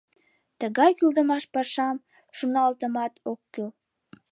Тыгай кӱлдымаш пашам шоналтымат ок кӱл.